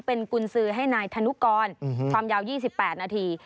เป็นกุญสือให้นายธนุกรความยาว๒๘นาที